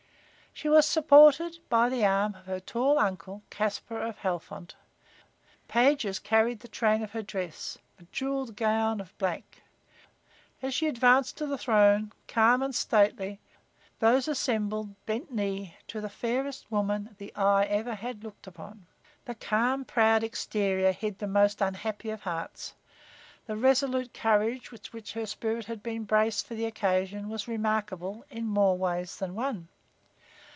She was supported by the arm of her tall uncle, Caspar of Halfont. Pages carried the train of her dress, a jeweled gown of black. As she advanced to the throne, calm and stately, those assembled bent knee to the fairest woman the eye ever had looked upon. The calm, proud exterior hid the most unhappy of hearts. The resolute courage with which her spirit had been braced for the occasion was remarkable in more ways than one.